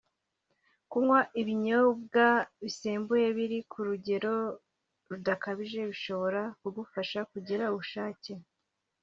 Kunywa ibinyombwa bisembuye biri ku rugero rudakabije bishobora kugufasha kugira ubushake